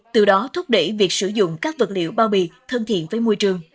từ đó thúc đẩy việc sử dụng các vật liệu bao bì thân thiện với môi trường